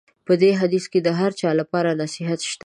په دې حدیث کې د هر چا لپاره نصیحت شته.